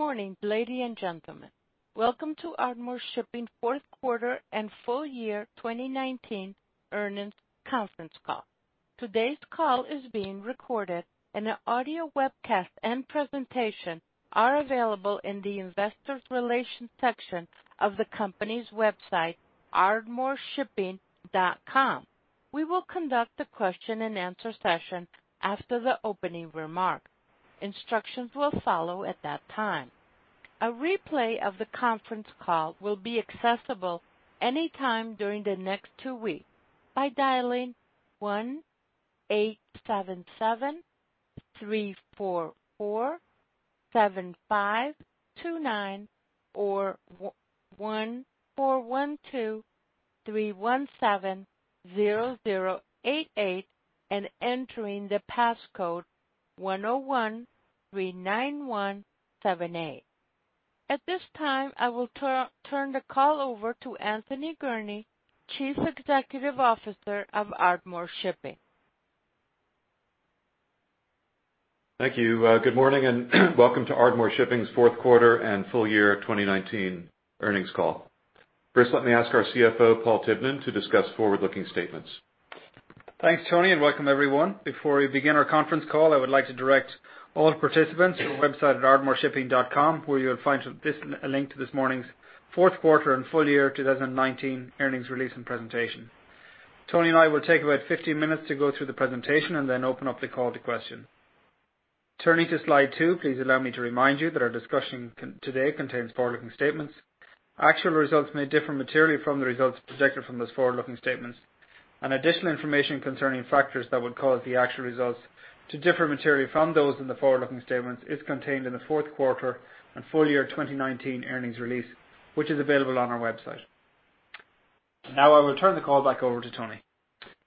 Good morning, ladies and gentlemen. Welcome to Ardmore Shipping Fourth Quarter and Full Year 2019 Earnings Conference Call. Today's call is being recorded, and an audio webcast and presentation are available in the Investor Relations section of the company's website, ardmoreshipping.com. We will conduct a question-and-answer session after the opening remark. Instructions will follow at that time. A replay of the conference call will be accessible any time during the next two weeks by dialing one, eight, seven seven, three, four, four, seven, five, two, nine or one, four, one, two, three, one, seven, zero zero eight, eight. and entering the pass code one, zero, one, three, nine, one seven, eight. At this time, I will turn the call over to Anthony Gurnee, Chief Executive Officer of Ardmore Shipping. Thank you. Good morning, and welcome to Ardmore Shipping's Fourth Quarter and Full Year 2019 Earnings Call. First, let me ask our CFO, Paul Tivnan, to discuss forward-looking statements. Thanks, Tony, and welcome everyone. Before we begin our conference call, I would like to direct all participants to our website at ardmoreshipping.com, where you'll find a link to this morning's fourth quarter and full year 2019 earnings release and presentation. Tony and I will take about 15 minutes to go through the presentation and then open up the call to questions. Turning to slide two, please allow me to remind you that our discussion today contains forward-looking statements. Actual results may differ materially from the results projected from those forward-looking statements, and additional information concerning factors that would cause the actual results to differ materially from those in the forward-looking statements is contained in the fourth quarter and full year 2019 earnings release, which is available on our website. Now, I will turn the call back over to Tony.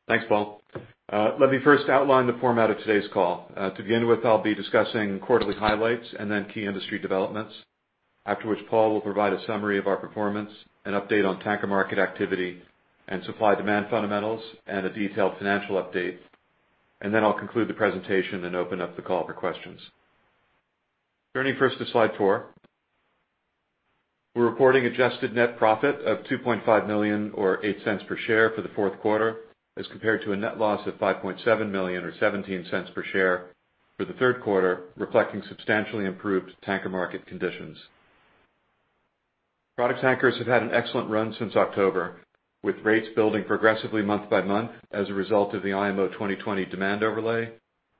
Thanks, Paul. Let me first outline the format of today's call. To begin with, I'll be discussing quarterly highlights and then key industry developments. After which, Paul will provide a summary of our performance, an update on tanker market activity, and supply-demand fundamentals, and a detailed financial update. Then I'll conclude the presentation and open up the call for questions. Turning first to slide four. We're reporting adjusted net profit of $2.5 million or $0.08 per share for the fourth quarter, as compared to a net loss of $5.7 million or $0.17 per share for the third quarter, reflecting substantially improved tanker market conditions. Product tankers have had an excellent run since October, with rates building progressively month by month as a result of the IMO 2020 demand overlay,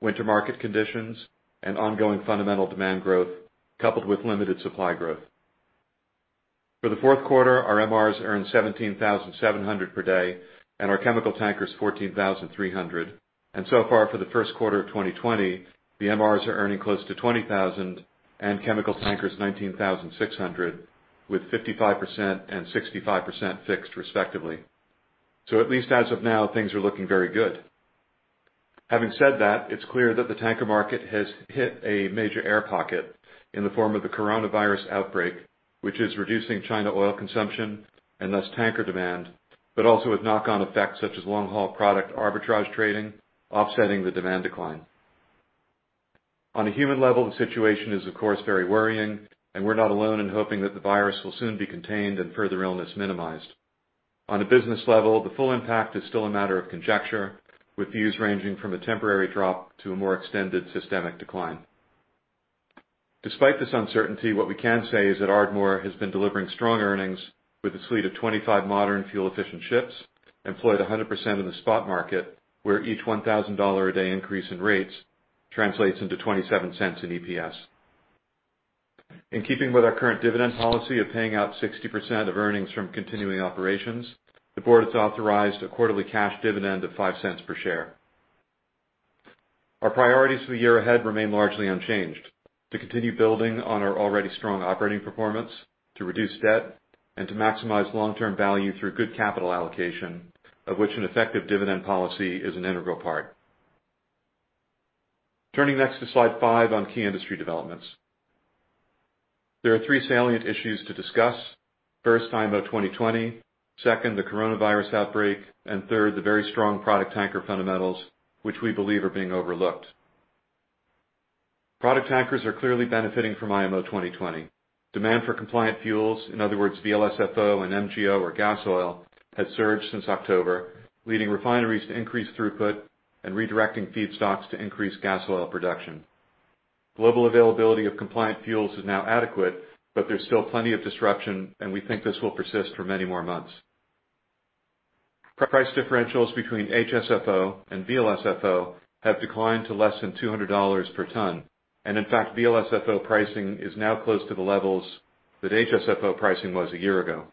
winter market conditions, and ongoing fundamental demand growth, coupled with limited supply growth. For the fourth quarter, our MRs earned $17,700 per day, and our chemical tankers, $14,300. And so far, for the first quarter of 2020, the MRs are earning close to $20,000 and chemical tankers, $19,600, with 55% and 65% fixed, respectively. So at least as of now, things are looking very good. Having said that, it's clear that the tanker market has hit a major air pocket in the form of the coronavirus outbreak, which is reducing China oil consumption and thus tanker demand, but also with knock-on effects such as long-haul product arbitrage trading, offsetting the demand decline. On a human level, the situation is, of course, very worrying, and we're not alone in hoping that the virus will soon be contained and further illness minimized. On a business level, the full impact is still a matter of conjecture, with views ranging from a temporary drop to a more extended systemic decline. Despite this uncertainty, what we can say is that Ardmore has been delivering strong earnings with a fleet of 25 modern, fuel-efficient ships, employed 100% in the spot market, where each $1,000 a day increase in rates translates into $0.27 in EPS. In keeping with our current dividend policy of paying out 60% of earnings from continuing operations, the board has authorized a quarterly cash dividend of $0.05 per share. Our priorities for the year ahead remain largely unchanged, to continue building on our already strong operating performance, to reduce debt, and to maximize long-term value through good capital allocation, of which an effective dividend policy is an integral part. Turning next to slide five on key industry developments. There are three salient issues to discuss. First, IMO 2020, second, the coronavirus outbreak, and third, the very strong product tanker fundamentals, which we believe are being overlooked. Product tankers are clearly benefiting from IMO 2020. Demand for compliant fuels, in other words, VLSFO and MGO or gas oil, has surged since October, leading refineries to increase throughput and redirecting feedstocks to increase gas oil production. Global availability of compliant fuels is now adequate, but there's still plenty of disruption, and we think this will persist for many more months. Price differentials between HSFO and VLSFO have declined to less than $200 per ton, and in fact, VLSFO pricing is now close to the levels that HSFO pricing was a year ago.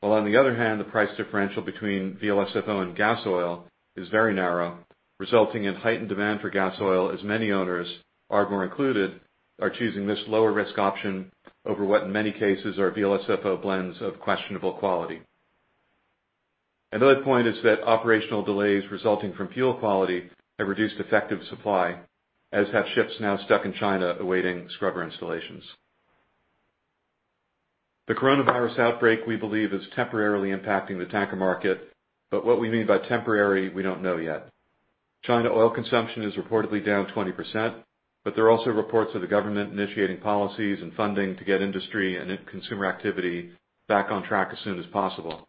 While on the other hand, the price differential between VLSFO and gas oil is very narrow, resulting in heightened demand for gas oil, as many owners, Ardmore included, are choosing this lower-risk option over what, in many cases, are VLSFO blends of questionable quality. Another point is that operational delays resulting from fuel quality have reduced effective supply, as have ships now stuck in China awaiting scrubber installations. The coronavirus outbreak, we believe, is temporarily impacting the tanker market, but what we mean by temporary, we don't know yet. China oil consumption is reportedly down 20%, but there are also reports of the government initiating policies and funding to get industry and consumer activity back on track as soon as possible.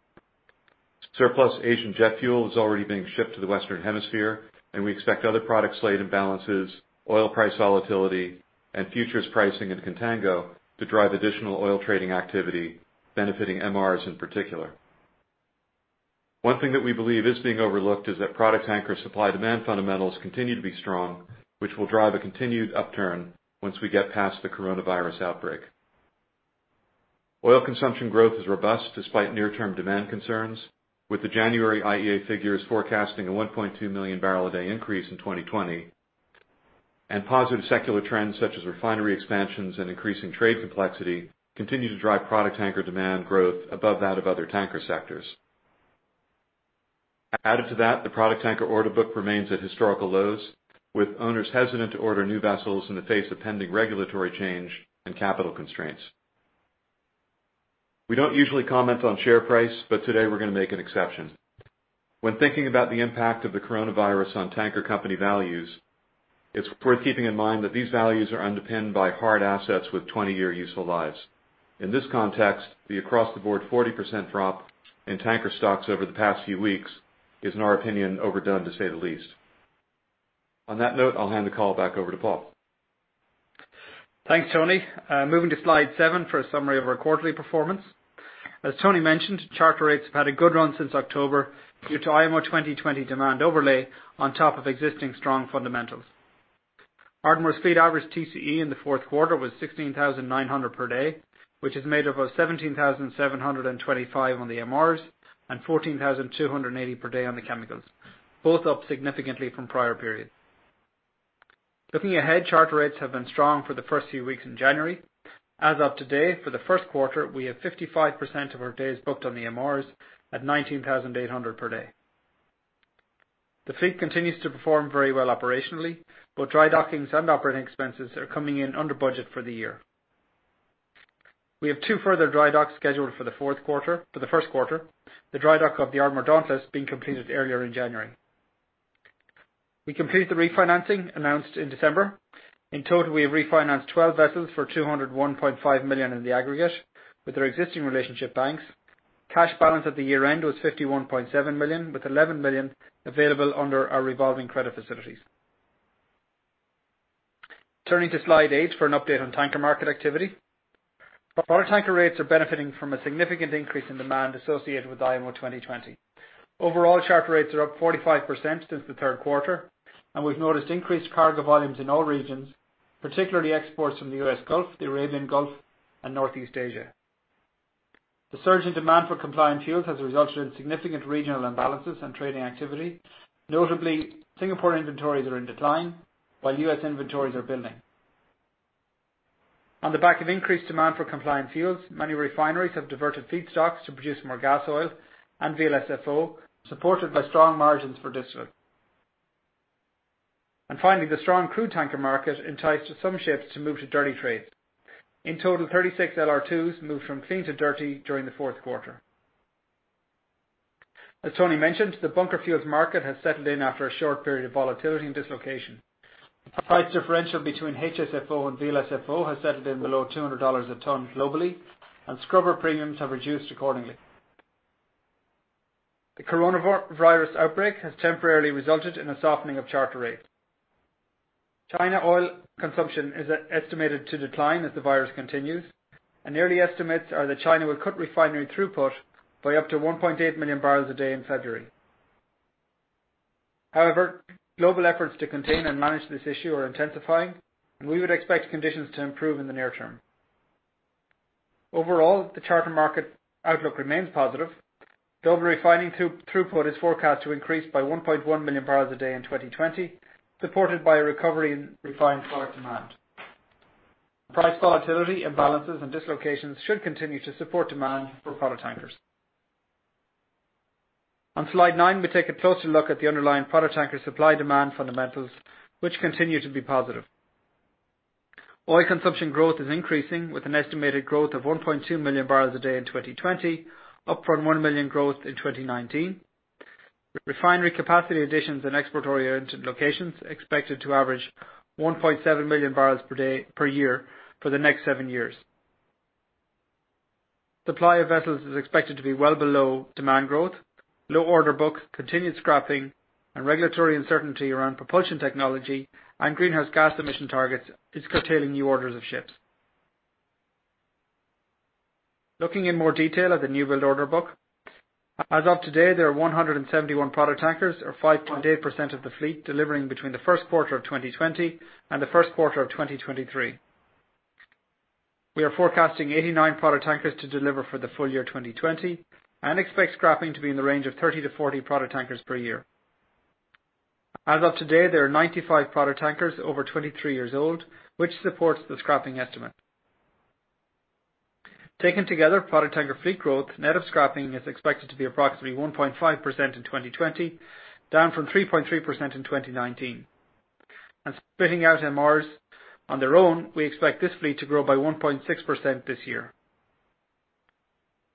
Surplus Asian jet fuel is already being shipped to the Western Hemisphere, and we expect other product slate imbalances, oil price volatility, and futures pricing in contango to drive additional oil trading activity, benefiting MRs in particular. One thing that we believe is being overlooked is that product tanker supply-demand fundamentals continue to be strong, which will drive a continued upturn once we get past the coronavirus outbreak. Oil consumption growth is robust despite near-term demand concerns, with the January IEA figures forecasting a 1.2 million barrel a day increase in 2020. Positive secular trends, such as refinery expansions and increasing trade complexity, continue to drive product tanker demand growth above that of other tanker sectors. Added to that, the product tanker order book remains at historical lows, with owners hesitant to order new vessels in the face of pending regulatory change and capital constraints. We don't usually comment on share price, but today we're going to make an exception. When thinking about the impact of the coronavirus on tanker company values, it's worth keeping in mind that these values are underpinned by hard assets with 20-year useful lives. In this context, the across-the-board 40% drop in tanker stocks over the past few weeks is, in our opinion, overdone, to say the least. On that note, I'll hand the call back over to Paul. Thanks, Tony. Moving to slide seven for a summary of our quarterly performance. As Tony mentioned, charter rates have had a good run since October due to IMO 2020 demand overlay on top of existing strong fundamentals. Ardmore's fleet average TCE in the fourth quarter was $16,900 per day, which is made up of $17,725 on the MRs and $14,280 per day on the chemicals, both up significantly from prior periods. Looking ahead, charter rates have been strong for the first few weeks in January. As of today, for the first quarter, we have 55% of our days booked on the MRs at $19,800 per day. The fleet continues to perform very well operationally, both dry dockings and operating expenses are coming in under budget for the year. We have two further dry docks scheduled for the fourth quarter—for the first quarter, the dry dock of the Ardmore Dauntless being completed earlier in January. We completed the refinancing announced in December. In total, we have refinanced 12 vessels for $201.5 million in the aggregate with our existing relationship banks. Cash balance at the year-end was $51.7 million, with $11 million available under our revolving credit facilities. Turning to slide eight for an update on tanker market activity. Product tanker rates are benefiting from a significant increase in demand associated with IMO 2020. Overall, charter rates are up 45% since the third quarter, and we've noticed increased cargo volumes in all regions, particularly exports from the U.S. Gulf, the Arabian Gulf, and Northeast Asia. The surge in demand for compliant fuels has resulted in significant regional imbalances and trading activity. Notably, Singapore inventories are in decline, while U.S. inventories are building. On the back of increased demand for compliant fuels, many refineries have diverted feedstocks to produce more gas oil and VLSFO, supported by strong margins for distillates. Finally, the strong crude tanker market enticed some ships to move to dirty trades. In total, 36 LR2s moved from clean to dirty during the fourth quarter. As Tony mentioned, the bunker fuels market has settled in after a short period of volatility and dislocation. The price differential between HSFO and VLSFO has settled in below $200 a ton globally, and scrubber premiums have reduced accordingly. The coronavirus outbreak has temporarily resulted in a softening of charter rates. China oil consumption is estimated to decline as the virus continues, and early estimates are that China will cut refinery throughput by up to 1.8 million barrels a day in February. However, global efforts to contain and manage this issue are intensifying, and we would expect conditions to improve in the near term. Overall, the charter market outlook remains positive. Global refining throughput is forecast to increase by 1.1 million barrels a day in 2020, supported by a recovery in refined product demand. Price volatility, imbalances, and dislocations should continue to support demand for product tankers. On slide nine, we take a closer look at the underlying product tanker supply-demand fundamentals, which continue to be positive. Oil consumption growth is increasing, with an estimated growth of 1.2 million barrels a day in 2020, up from 1 million growth in 2019. Refinery capacity additions in export-oriented locations expected to average 1.7 million barrels per day per year for the next seven years. Supply of vessels is expected to be well below demand growth. Low order books, continued scrapping, and regulatory uncertainty around propulsion technology and greenhouse gas emission targets is curtailing new orders of ships. Looking in more detail at the newbuild order book, as of today, there are 171 product tankers or 5.8% of the fleet, delivering between the first quarter of 2020 and the first quarter of 2023. We are forecasting 89 product tankers to deliver for the full year 2020 and expect scrapping to be in the range of 30-40 product tankers per year. As of today, there are 95 product tankers over 23 years old, which supports the scrapping estimate. Taken together, product tanker fleet growth, net of scrapping, is expected to be approximately 1.5% in 2020, down from 3.3% in 2019, and splitting out MRs on their own, we expect this fleet to grow by 1.6% this year.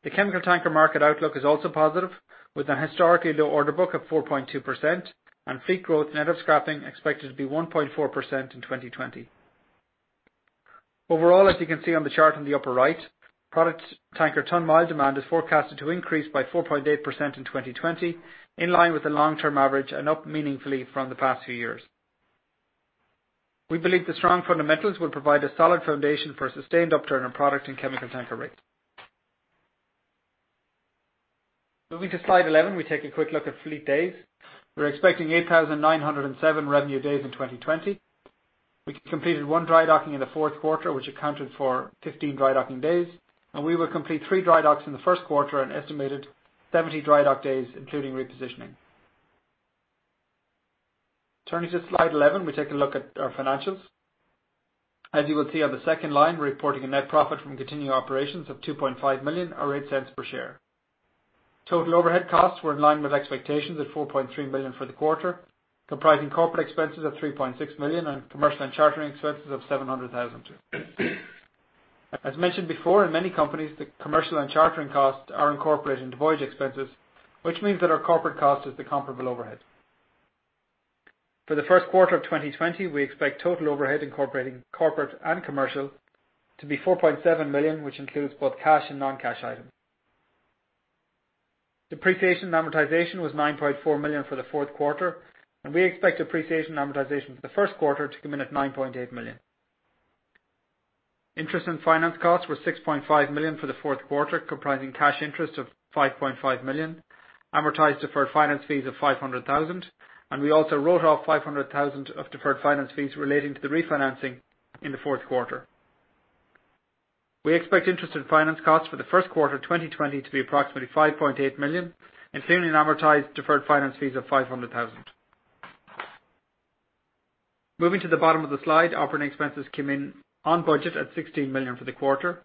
The chemical tanker market outlook is also positive, with a historically low order book of 4.2% and fleet growth net of scrapping expected to be 1.4% in 2020. Overall, as you can see on the chart in the upper right, product tanker ton mile demand is forecasted to increase by 4.8% in 2020, in line with the long-term average and up meaningfully from the past few years. We believe the strong fundamentals will provide a solid foundation for a sustained upturn in product and chemical tanker rates. Moving to slide 11, we take a quick look at fleet days. We're expecting 8,907 revenue days in 2020. We completed one dry docking in the fourth quarter, which accounted for 15 dry docking days, and we will complete three dry docks in the first quarter, an estimated 70 dry dock days, including repositioning. Turning to slide 11, we take a look at our financials. As you will see on the second line, we're reporting a net profit from continuing operations of $2.5 million or $0.08 per share. Total overhead costs were in line with expectations at $4.3 million for the quarter, comprising corporate expenses of $3.6 million and commercial and chartering expenses of $700,000. As mentioned before, in many companies, the commercial and chartering costs are incorporated into voyage expenses, which means that our corporate cost is the comparable overhead. For the first quarter of 2020, we expect total overhead, incorporating corporate and commercial, to be $4.7 million, which includes both cash and non-cash items. Depreciation and amortization was $9.4 million for the fourth quarter, and we expect depreciation and amortization for the first quarter to come in at $9.8 million. Interest and finance costs were $6.5 million for the fourth quarter, comprising cash interest of $5.5 million, amortized deferred finance fees of $500,000, and we also wrote off $500,000 of deferred finance fees relating to the refinancing in the fourth quarter. We expect interest and finance costs for the first quarter of 2020 to be approximately $5.8 million, including amortized deferred finance fees of $500,000. Moving to the bottom of the slide, operating expenses came in on budget at $16 million for the quarter.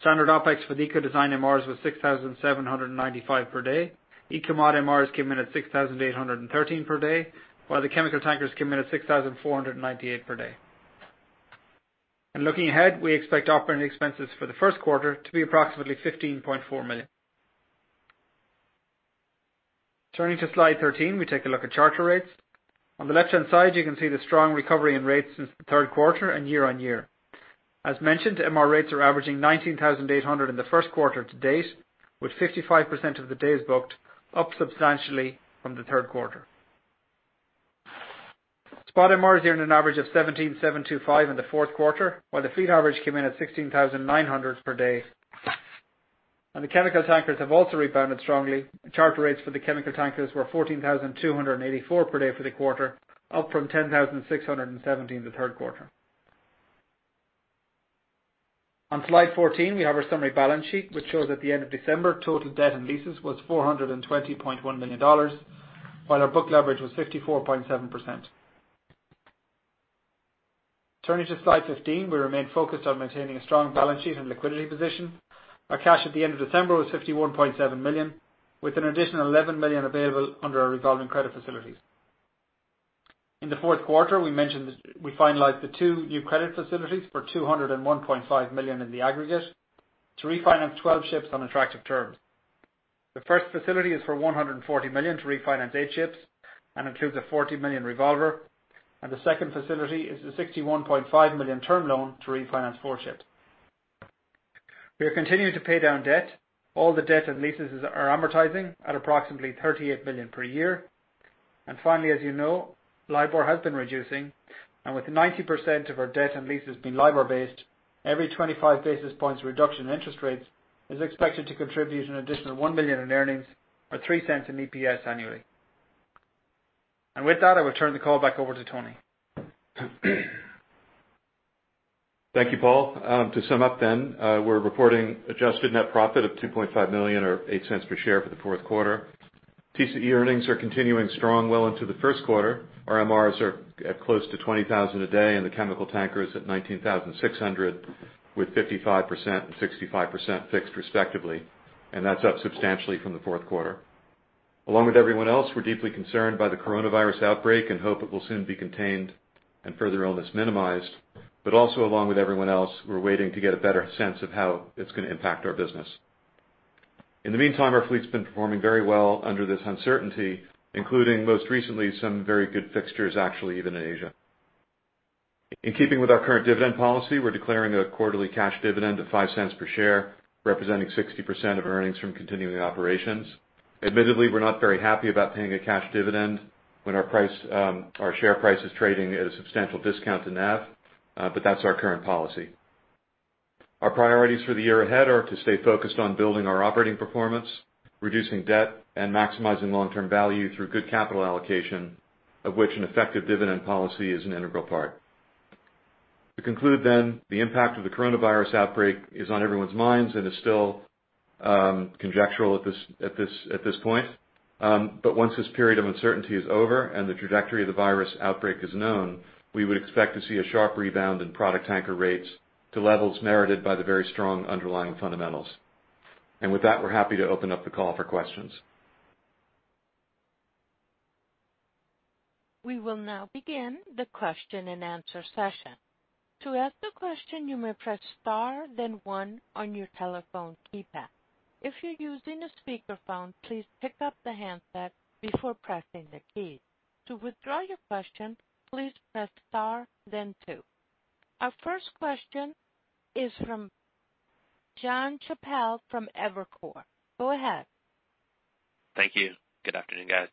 Standard OpEx for the eco design MRs was 6,795 per day. Eco mod MRs came in at 6,813 per day, while the chemical tankers came in at 6,498 per day. And looking ahead, we expect operating expenses for the first quarter to be approximately $15.4 million. Turning to slide 13, we take a look at charter rates. On the left-hand side, you can see the strong recovery in rates since the third quarter and year-on-year. As mentioned, MR rates are averaging 19,800 in the first quarter to date, with 55% of the days booked up substantially from the third quarter. Spot MRs earned an average of 17,725 in the fourth quarter, while the fleet average came in at 16,900 per day. The chemical tankers have also rebounded strongly. Charter rates for the chemical tankers were 14,284 per day for the quarter, up from 10,617 in the third quarter. On slide 14, we have our summary balance sheet, which shows at the end of December, total debt and leases was $420.1 million, while our book leverage was 54.7%. Turning to slide 15, we remain focused on maintaining a strong balance sheet and liquidity position. Our cash at the end of December was $51.7 million, with an additional $11 million available under our revolving credit facilities. In the fourth quarter, we mentioned that we finalized the two new credit facilities for $201.5 million in the aggregate to refinance 12 ships on attractive terms. The first facility is for $140 million to refinance eight ships and includes a $40 million revolver, and the second facility is a $61.5 million term loan to refinance four ships. We are continuing to pay down debt. All the debt and leases is, are amortizing at approximately $38 million per year. Finally, as you know, LIBOR has been reducing, and with 90% of our debt and leases being LIBOR-based, every 25 basis points reduction in interest rates is expected to contribute an additional $1 million in earnings or $0.03 in EPS annually. And with that, I will turn the call back over to Tony. Thank you, Paul. To sum up then, we're reporting adjusted net profit of $2.5 million or $0.08 per share for the fourth quarter. TCE earnings are continuing strong well into the first quarter. Our MRs are at close to 20,000 a day, and the chemical tanker is at 19,600, with 55% and 65% fixed, respectively, and that's up substantially from the fourth quarter. Along with everyone else, we're deeply concerned by the coronavirus outbreak and hope it will soon be contained and further illness minimized, but also along with everyone else, we're waiting to get a better sense of how it's going to impact our business. In the meantime, our fleet's been performing very well under this uncertainty, including, most recently, some very good fixtures, actually, even in Asia. In keeping with our current dividend policy, we're declaring a quarterly cash dividend of $0.05 per share, representing 60% of earnings from continuing operations. Admittedly, we're not very happy about paying a cash dividend when our price, our share price is trading at a substantial discount to NAV, but that's our current policy. Our priorities for the year ahead are to stay focused on building our operating performance, reducing debt, and maximizing long-term value through good capital allocation, of which an effective dividend policy is an integral part. To conclude then, the impact of the coronavirus outbreak is on everyone's minds and is still, conjectural at this point. But once this period of uncertainty is over and the trajectory of the virus outbreak is known, we would expect to see a sharp rebound in product tanker rates to levels merited by the very strong underlying fundamentals... And with that, we're happy to open up the call for questions. We will now begin the question-and-answer session. To ask a question, you may press star, then one on your telephone keypad. If you're using a speakerphone, please pick up the handset before pressing the key. To withdraw your question, please press star then two. Our first question is from Jon Chappell from Evercore. Go ahead. Thank you. Good afternoon, guys.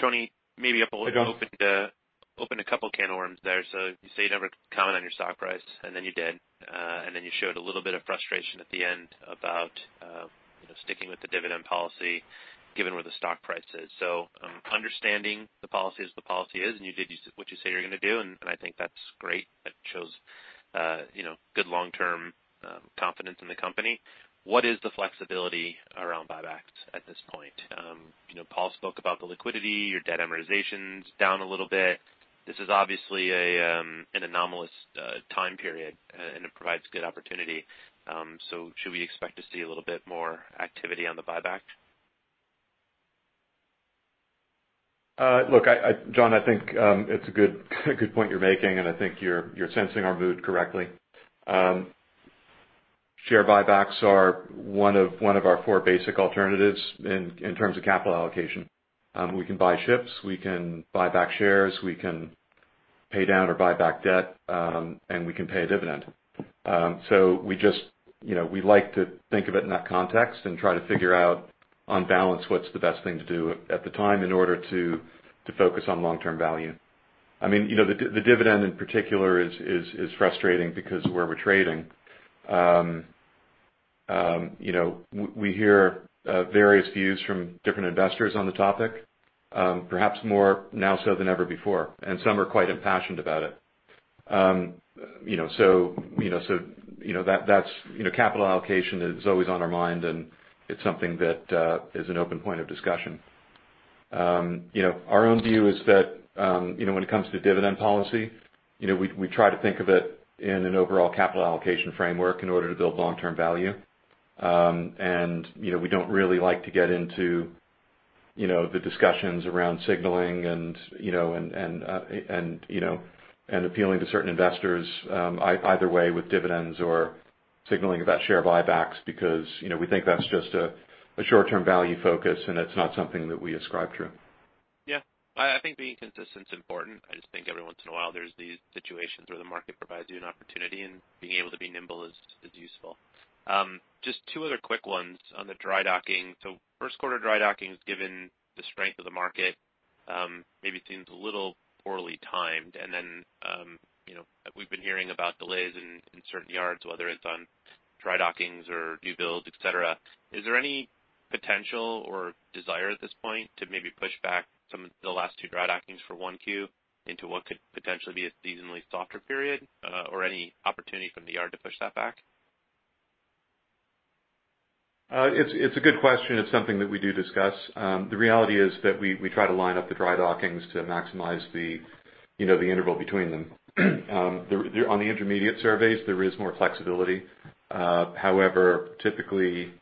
Tony, maybe opened, opened a couple can of worms there. So you say you never comment on your stock price, and then you did, and then you showed a little bit of frustration at the end about, you know, sticking with the dividend policy, given where the stock price is. So, understanding the policy is the policy is, and you did what you say you're gonna do, and, and I think that's great. That shows, you know, good long-term, confidence in the company. What is the flexibility around buybacks at this point? You know, Paul spoke about the liquidity, your debt amortization's down a little bit. This is obviously a, an anomalous, time period, and it provides good opportunity. So should we expect to see a little bit more activity on the buyback? Look, Jon, I think it's a good point you're making, and I think you're sensing our mood correctly. Share buybacks are one of our four basic alternatives in terms of capital allocation. We can buy ships, we can buy back shares, we can pay down or buy back debt, and we can pay a dividend. So we just, you know, we like to think of it in that context and try to figure out on balance, what's the best thing to do at the time in order to focus on long-term value. I mean, you know, the dividend in particular is frustrating because where we're trading, you know, we hear various views from different investors on the topic, perhaps more now so than ever before, and some are quite impassioned about it. You know, capital allocation is always on our mind, and it's something that is an open point of discussion. You know, our own view is that, you know, when it comes to dividend policy, you know, we try to think of it in an overall capital allocation framework in order to build long-term value. You know, we don't really like to get into, you know, the discussions around signaling and, you know, appealing to certain investors either way, with dividends or signaling about share buybacks, because, you know, we think that's just a short-term value focus, and it's not something that we ascribe to. Yeah. I, I think being consistent is important. I just think every once in a while, there's these situations where the market provides you an opportunity, and being able to be nimble is, is useful. Just two other quick ones on the drydocking. So first quarter drydocking is given the strength of the market, maybe it seems a little poorly timed. And then, you know, we've been hearing about delays in, in certain yards, whether it's on drydockings or new builds, et cetera. Is there any potential or desire at this point to maybe push back some of the last two drydockings for 1Q into what could potentially be a seasonally softer period, or any opportunity from the yard to push that back? It's a good question. It's something that we do discuss. The reality is that we try to line up the dry dockings to maximize the, you know, the interval between them. On the intermediate surveys, there is more flexibility. However, typically,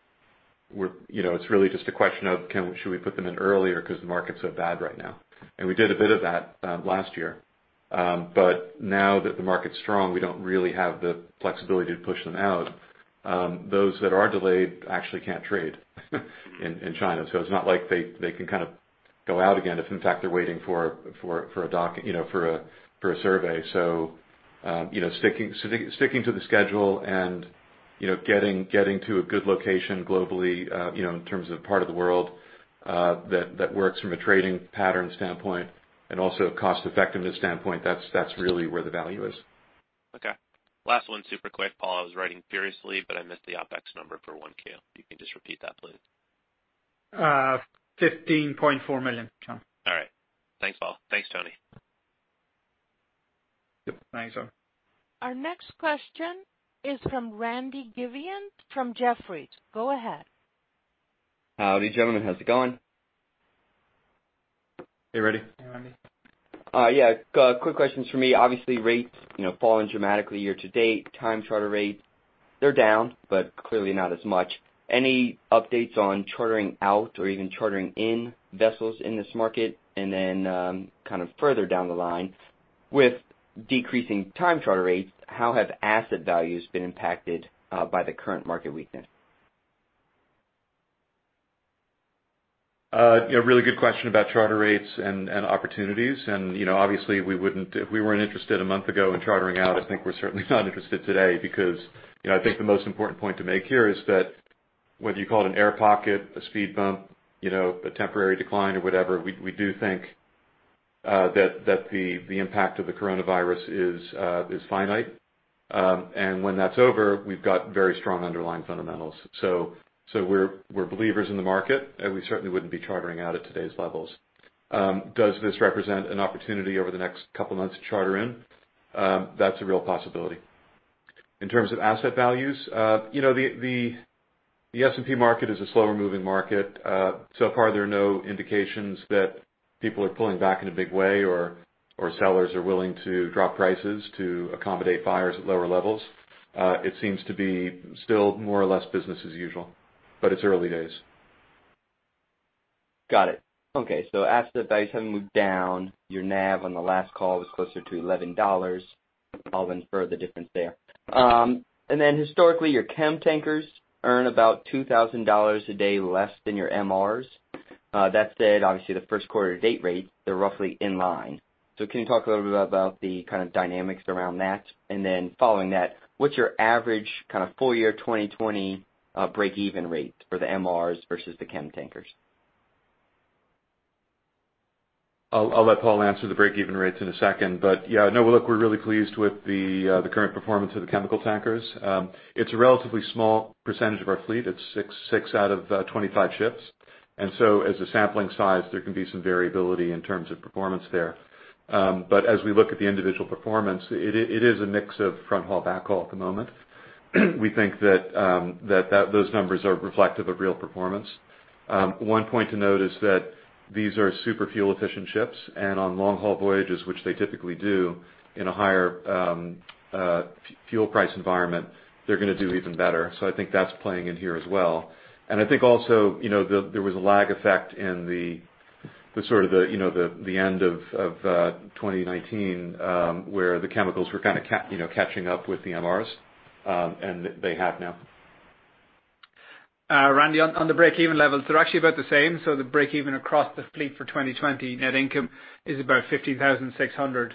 we're, you know, it's really just a question of should we put them in earlier because the market's so bad right now? And we did a bit of that last year. But now that the market's strong, we don't really have the flexibility to push them out. Those that are delayed actually can't trade in China, so it's not like they can kind of go out again, if in fact, they're waiting for a dock, you know, for a survey. You know, sticking to the schedule and, you know, getting to a good location globally, you know, in terms of part of the world that works from a trading pattern standpoint and also a cost-effectiveness standpoint, that's really where the value is. Okay. Last one, super quick, Paul. I was writing furiously, but I missed the OpEx number for 1Q. If you can just repeat that, please. $15.4 million, Jon. All right. Thanks, Paul. Thanks, Tony. Yep. Thanks, Jon. Our next question is from Randy Giveans from Jefferies. Go ahead. Howdy, gentlemen, how's it going? Hey, Randy. Hey, Randy. Yeah, quick questions for me. Obviously, rates, you know, fallen dramatically year to date. Time charter rates, they're down, but clearly not as much. Any updates on chartering out or even chartering in vessels in this market? And then, kind of further down the line, with decreasing time charter rates, how have asset values been impacted by the current market weakness? You know, really good question about charter rates and opportunities. You know, obviously, we wouldn't, if we weren't interested a month ago in chartering out, I think we're certainly not interested today. Because, you know, I think the most important point to make here is that whether you call it an air pocket, a speed bump, you know, a temporary decline or whatever, we do think that the impact of the coronavirus is finite. And when that's over, we've got very strong underlying fundamentals. So we're believers in the market, and we certainly wouldn't be chartering out at today's levels. Does this represent an opportunity over the next couple of months to charter in? That's a real possibility. In terms of asset values, you know, the S&P market is a slower moving market. So far, there are no indications that people are pulling back in a big way or sellers are willing to drop prices to accommodate buyers at lower levels. It seems to be still more or less business as usual, but it's early days. Got it. Okay. So asset values have moved down. Your NAV on the last call was closer to $11. I'll infer the difference there. And then historically, your chem tankers earn about $2,000 a day less than your MRs. That said, obviously, the first quarter to date rates, they're roughly in line. So can you talk a little bit about the kind of dynamics around that? And then following that, what's your average kind of full year 2020 break even rate for the MRs versus the chem tankers? I'll let Paul answer the break-even rates in a second. But, yeah, no, look, we're really pleased with the current performance of the chemical tankers. It's a relatively small percentage of our fleet. It's six, six out of 25 ships. And so as a sampling size, there can be some variability in terms of performance there. But as we look at the individual performance, it is a mix of front haul, back haul at the moment. We think that those numbers are reflective of real performance. One point to note is that these are super fuel efficient ships and on long haul voyages, which they typically do in a higher fuel price environment, they're going to do even better. So I think that's playing in here as well. And I think also, you know, there was a lag effect in the sort of, you know, the end of 2019, where the chemicals were kind of catching up with the MRs, and they have now. Randy, on the break even levels, they're actually about the same. So the break even across the fleet for 2020, net income is about $15,600.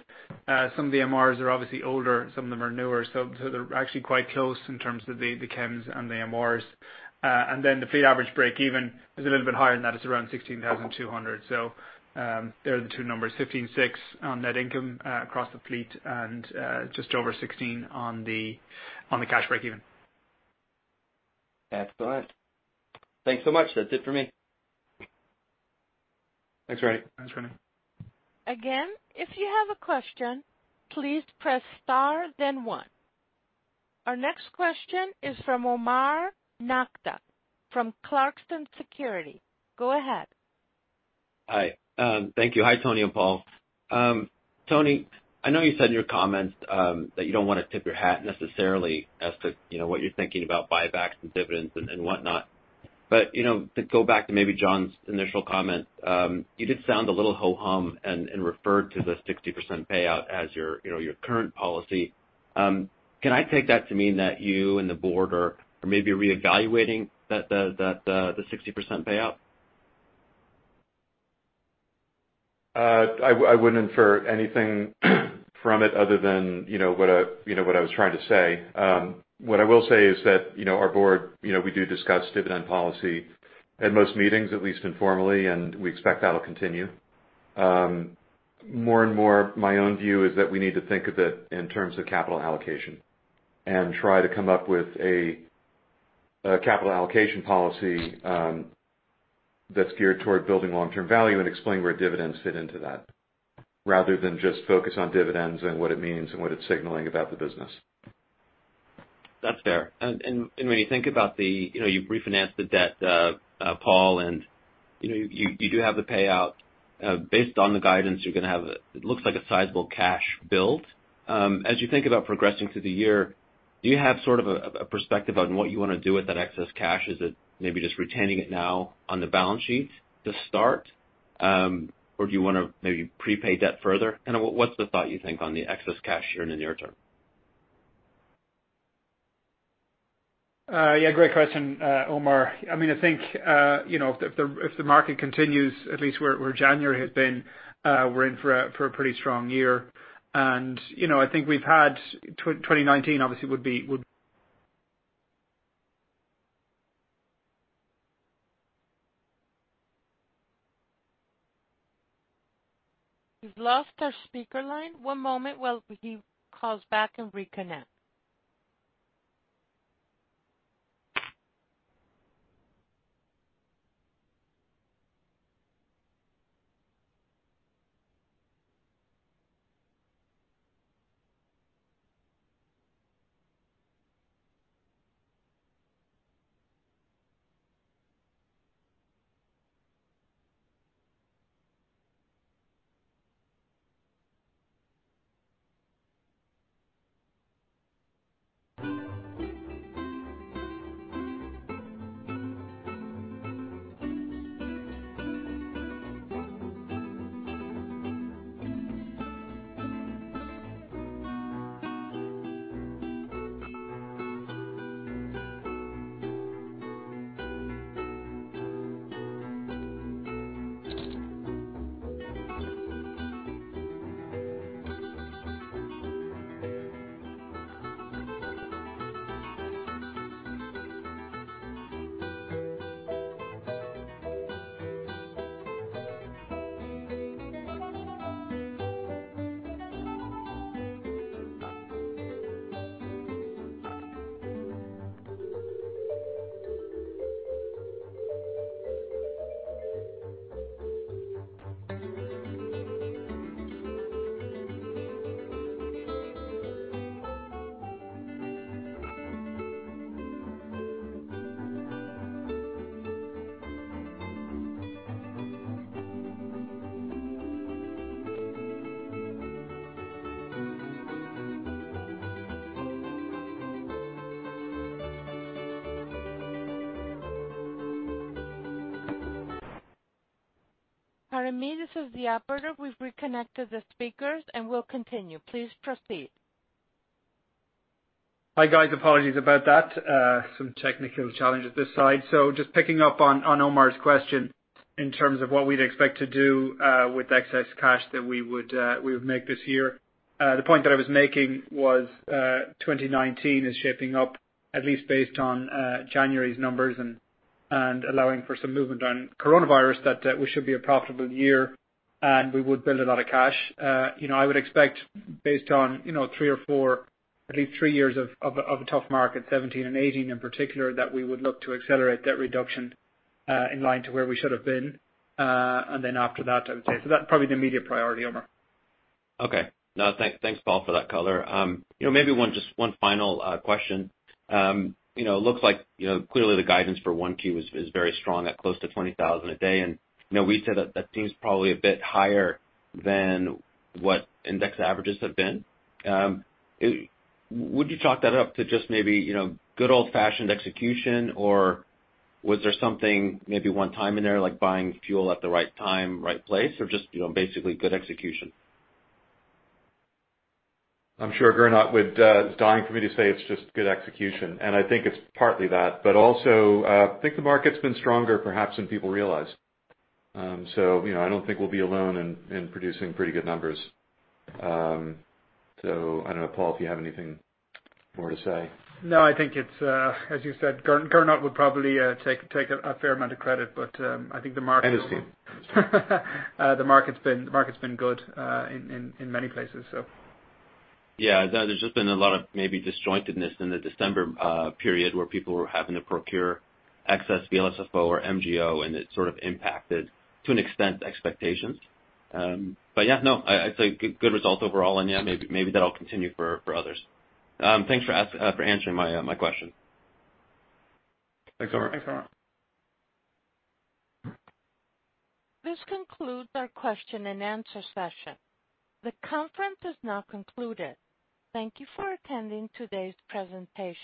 Some of the MRs are obviously older, some of them are newer, so they're actually quite close in terms of the chems and the MRs. And then the fleet average break even is a little bit higher than that. It's around $16,200. So, there are the two numbers, 15,600 on net income across the fleet and just over 16,000 on the cash break even. Excellent. Thanks so much. That's it for me. Thanks, Randy. Thanks, Randy. Again, if you have a question, please press star then one. Our next question is from Omar Nokta from Clarksons Securities. Go ahead. Hi. Thank you. Hi, Tony and Paul. Tony, I know you said in your comments that you don't want to tip your hat necessarily as to, you know, what you're thinking about buybacks and dividends and whatnot. But, you know, to go back to maybe Jon's initial comment, you did sound a little ho-hum and referred to the 60% payout as your, you know, your current policy. Can I take that to mean that you and the board are maybe reevaluating the 60% payout? I wouldn't infer anything from it other than, you know, what I was trying to say. What I will say is that, you know, our board, you know, we do discuss dividend policy at most meetings, at least informally, and we expect that'll continue. More and more, my own view is that we need to think of it in terms of capital allocation and try to come up with a capital allocation policy that's geared toward building long-term value and explain where dividends fit into that, rather than just focus on dividends and what it means and what it's signaling about the business. That's fair. And when you think about the... You know, you've refinanced the debt, Paul, and, you know, you do have the payout. Based on the guidance, you're gonna have, it looks like a sizable cash build. As you think about progressing through the year, do you have sort of a perspective on what you want to do with that excess cash? Is it maybe just retaining it now on the balance sheet to start? Or do you want to maybe prepay debt further? Kind of what, what's the thought you think on the excess cash here in the near term? Yeah, great question, Omar. I mean, I think, you know, if the market continues at least where January has been, we're in for a pretty strong year. And, you know, I think we've had 2019 obviously would be, would- We've lost our speaker line. One moment while he calls back and reconnect. ... Pardon me, this is the operator. We've reconnected the speakers, and we'll continue. Please proceed. Hi, guys. Apologies about that. Some technical challenges this side. So just picking up on Omar's question, in terms of what we'd expect to do with excess cash that we would make this year. The point that I was making was, 2019 is shaping up, at least based on January's numbers and allowing for some movement on coronavirus, that we should be a profitable year, and we would build a lot of cash. You know, I would expect, based on, you know, three or four, at least three years of a tough market, 2017 and 2018 in particular, that we would look to accelerate that reduction in line to where we should have been, and then after that, I would say. So that's probably the immediate priority, Omar. Okay. No, thanks, Paul, for that color. You know, maybe one, just one final question. You know, it looks like, you know, clearly the guidance for 1Q is very strong at close to $20,000 a day, and, you know, we said that that seems probably a bit higher than what index averages have been. It would you chalk that up to just maybe, you know, good old-fashioned execution, or was there something maybe one-time in there, like buying fuel at the right time, right place, or just, you know, basically good execution? I'm sure Gernot would is dying for me to say it's just good execution, and I think it's partly that, but also, I think the market's been stronger perhaps than people realize. So, you know, I don't think we'll be alone in producing pretty good numbers. So I don't know, Paul, if you have anything more to say. No, I think it's, as you said, Gernot would probably take a fair amount of credit, but, I think the market- And his team. The market's been good in many places, so. Yeah, there's just been a lot of maybe disjointedness in the December period, where people were having to procure excess VLSFO or MGO, and it sort of impacted, to an extent, expectations. But yeah, no, I'd say good results overall, and, yeah, maybe, maybe that'll continue for, for others. Thanks for answering my question. Thanks, Omar. Thanks, Omar. This concludes our question and answer session. The conference is now concluded. Thank you for attending today's presentation.